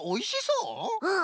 うん。